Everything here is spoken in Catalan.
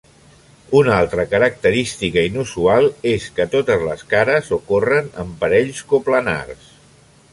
Una altra característica inusual és que totes les cares ocorren en parells coplanars.